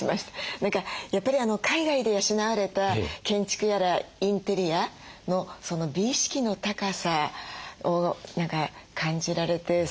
何かやっぱり海外で養われた建築やらインテリアのその美意識の高さを何か感じられて。